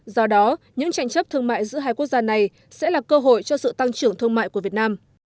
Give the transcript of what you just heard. do đó những tranh chấp thương mại giữa hai quốc gia này sẽ là cơ hội cho sự tăng trưởng thương mại của việt nam